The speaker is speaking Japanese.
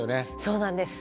そうなんです。